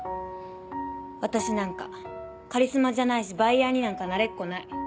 私なんかカリスマじゃないしバイヤーになんかなれっこない。